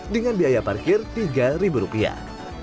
dengan biaya parkir tiga rupiah